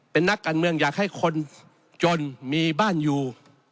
เป็นนักการเมืองอยากให้คนจนมีบ้านอยู่